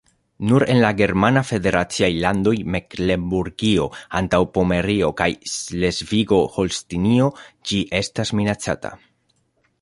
Nur en la germana federaciaj landoj Meklenburgio-Antaŭpomerio kaj Ŝlesvigo-Holstinio ĝi estas minacata.